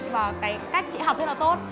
và cái cách chị học rất là tốt